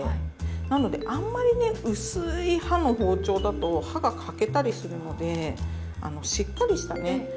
なのであんまりね薄い刃の包丁だと刃が欠けたりするのでしっかりしたね